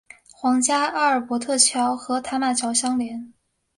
皇家阿尔伯特桥和塔马桥相邻。